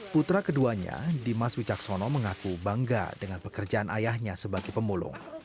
putra keduanya dimas wicaksono mengaku bangga dengan pekerjaan ayahnya sebagai pemulung